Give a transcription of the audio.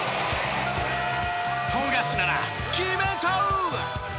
富樫なら決めちゃう！